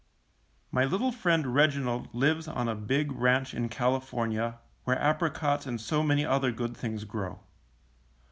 My little friend Reginald lives on a big ranch in California, where apricots and so many other good things grow.